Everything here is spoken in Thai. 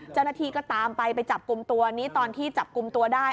เจ้าหน้าที่ก็ตามไปไปจับกลุ่มตัวนี้ตอนที่จับกลุ่มตัวได้